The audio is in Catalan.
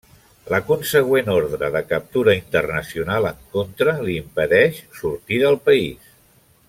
La consegüent ordre de captura internacional en contra li impedeix sortir del país.